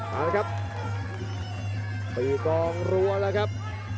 เอาละครับตีกองรัวแล้วครับ